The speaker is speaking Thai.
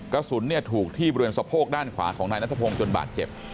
กระสุนถูกที่บริเวณสะโพกด้านขวาของนายนัทพงศ์จนบาดเจ็บ